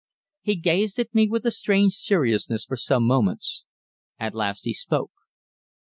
He gazed at me with a strange seriousness for some moments. At last he spoke.